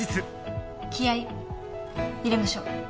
気合入れましょう。